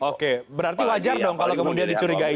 oke berarti wajar dong kalau kemudian dicurigai